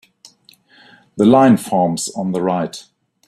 The line forms on the right.